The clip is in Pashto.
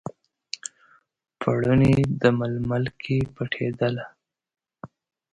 پوړني، د ململ کې پټیدله